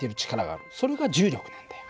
それが重力なんだよ。